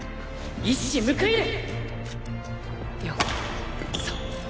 一矢報いる！